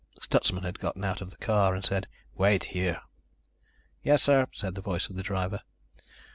Stutsman had gotten out of the car and said: "Wait here." "Yes, sir," said the voice of the driver.